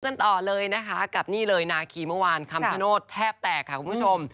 กันต่อเลยนะคะกับนี่เลยนาคีเมื่อวานคำชโนธแทบแตกค่ะคุณผู้ชม